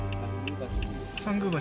参宮橋。